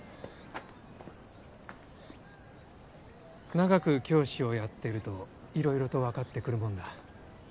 長く教師をやってるといろいろとわかってくるもんだ。